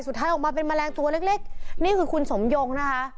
สุดท้ายออกมาเป็นแมลงตัวเล็กนี่คือคุณสมยงนะคะ